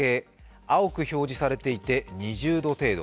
青く表示されていて２０度程度。